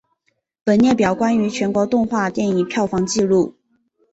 本列表关于全球动画电影票房纪录。